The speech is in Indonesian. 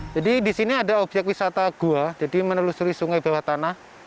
jadi disini ada objek wisata gua jadi menelusuri sungai bawah tanah